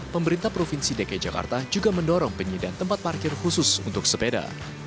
pemerintah provinsi dki jakarta juga mendorong penyediaan tempat parkir khusus untuk sepeda